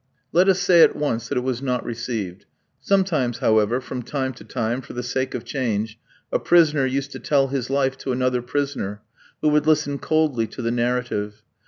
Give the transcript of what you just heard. Let us say at once that it was not received. Sometimes, however, from time to time, for the sake of change, a prisoner used to tell his life to another prisoner, who would listen coldly to the narrative.